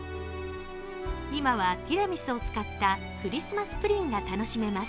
今はティラミスを使ったクリスマスプリンが楽しめます。